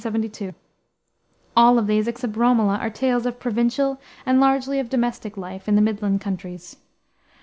All of these, except Romola, are tales of provincial, and largely of domestic, life in the midland counties.